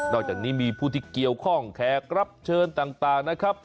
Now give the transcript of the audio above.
อกจากนี้มีผู้ที่เกี่ยวข้องแขกรับเชิญต่างนะครับ